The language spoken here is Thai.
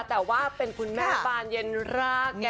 แต่ว่าเป็นคุณแม่บานเย็นรากไง